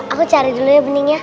aku cari dulu ya bening ya